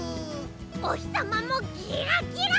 おひさまもギラギラ！